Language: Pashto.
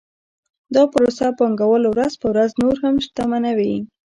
دا پروسه پانګوال ورځ په ورځ نور هم شتمنوي